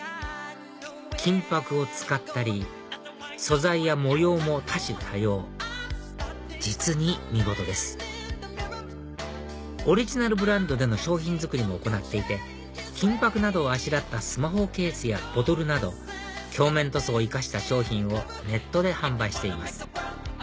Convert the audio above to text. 金箔を使ったり素材や模様も多種多様実に見事ですオリジナルブランドでの商品作りも行っていて金箔などをあしらったスマホケースやボトルなど鏡面塗装を生かした商品をネットで販売しています